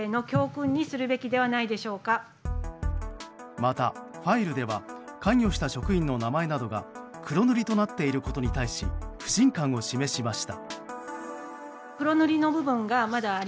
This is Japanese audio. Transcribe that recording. また、ファイルでは関与した職員の名前などが黒塗りとなっていることに対し不信感を示しました。